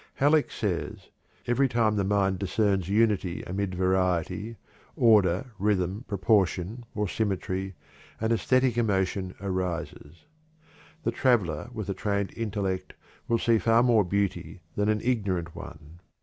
Halleck says: "Every time the mind discerns unity amid variety, order, rhythm, proportion, or symmetry, an æsthetic emotion arises. The traveler with a trained intellect will see far more beauty than an ignorant one.